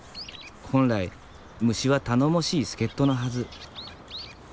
本来虫は頼もしい助っとのはず。